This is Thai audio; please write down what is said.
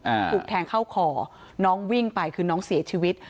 ถูกแทงเข้าคอน้องวิ่งไปคือน้องเสียชีวิต